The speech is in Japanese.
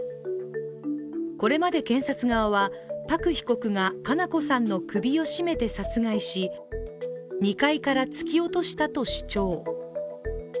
これまで検察側は、パク被告が佳菜子さんの首を絞めて殺害し２階から突き落としたと主張。